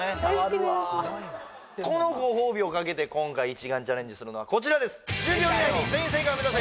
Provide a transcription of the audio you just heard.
もうこのご褒美を懸けて今回イチガンチャレンジするのはこちらです